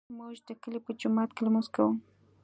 موږ د کلي په جومات کې لمونځ کوو